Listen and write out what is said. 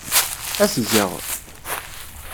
Ad t-geɣ.